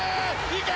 いけ！